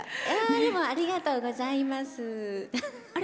でも、ありがとうございます。